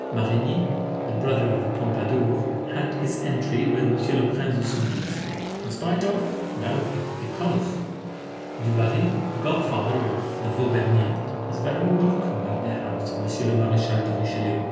Marigny, the brother of the Pompadour, had his entry with M. le Prince de Soubise. In spite of? No, because. Du Barry, the god father of the Vaubernier, was very welcome at the house of M. le Maréchal de Richelieu.